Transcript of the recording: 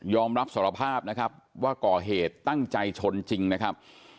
อมรับสารภาพนะครับว่าก่อเหตุตั้งใจชนจริงนะครับ